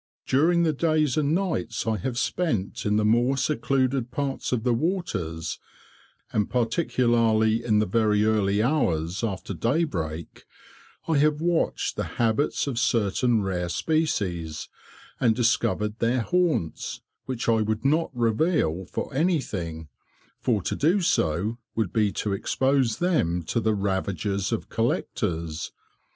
During the days and nights I have spent in the more secluded parts of the waters, and particularly in the very early hours after daybreak, I have watched the habits of certain rare species, and discovered their haunts, which I would not reveal for anything, for to do so would be to expose them to the ravages of collectors.